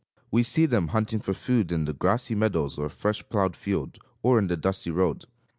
We see them hunting for food in the grassy meadows, or fresh plowed field, or in the dusty road.